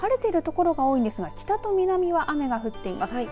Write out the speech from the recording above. きょう晴れている所が多いんですが北と南は雨が降っています。